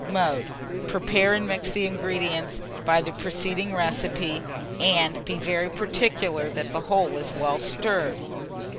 Mode. Prepare and mix the ingredients by the preceding recipe, and be very particular that the whole is well stirred.